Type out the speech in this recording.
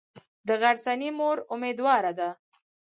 د غرڅنۍ مور امیدواره ده.